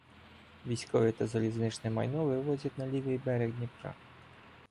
Військове та залізничне майно вивозять на лівий берег Дніпра.